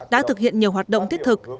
đã thực hiện nhiều hoạt động thiết thực